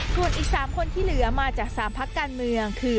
ส่วนอีก๓คนที่เหลือมาจาก๓พักการเมืองคือ